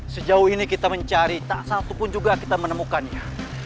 sejauh ini kita mencari tak satupun juga kita menemukannya